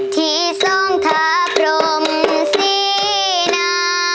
ที่สงทาพรมสินะ